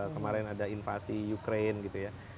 kemarin ada invasi ukraine gitu ya